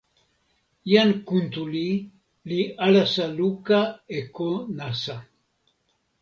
jan Kuntuli li alasa luka e ko nasa.